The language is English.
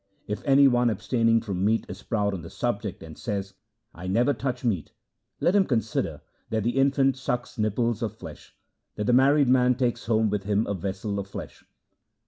If any one abstaining from meat is proud on the subject and says, " I never touch meat," let him consider that the infant sucks nipples of flesh, that the married man takes home with him a vessel of flesh.'